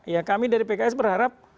ya kami dari pks berharap